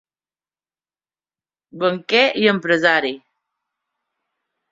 Banquer i empresari.